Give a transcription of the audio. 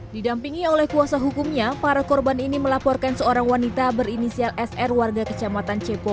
didampingi oleh kuasa hukumnya para korban ini melaporkan seorang wanita berinisial sr warga kecamatan cepo